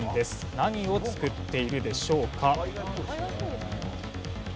何を作っているでしょうか？